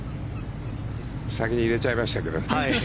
先に入れちゃいましたけど。